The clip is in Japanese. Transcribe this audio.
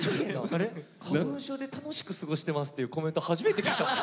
花粉症で楽しく過ごしてますっていうコメント初めて聞いた。